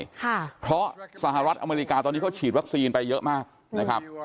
ค่ะเพราะสหรัฐอเมริกาตอนนี้เขาฉีดวัคซีนไปเยอะมากนะครับ